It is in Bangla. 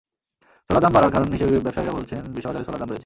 ছোলার দাম বাড়ার কারণ হিসেবে ব্যবসায়ীরা বলছেন, বিশ্ববাজারে ছোলার দাম বেড়েছে।